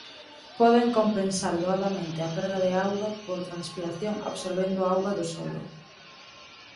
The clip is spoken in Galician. Poden compensar doadamente a perda de auga por transpiración absorbendo auga do solo.